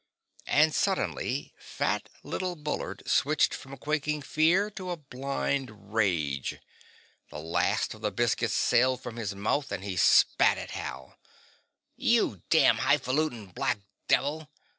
And suddenly fat little Bullard switched from quaking fear to a blind rage. The last of the biscuit sailed from his mouth and he spat at Hal. "You damned hi faluting black devil.